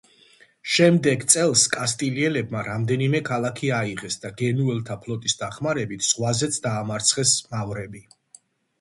შემდეგ წელს კასტილიელებმა რამდენიმე ქალაქი აიღეს და გენუელთა ფლოტის დახმარებით ზღვაზეც დაამარცხეს მავრები.